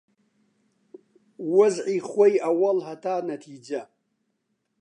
وەزعی خۆی ئەووەڵ، هەتا نەتیجە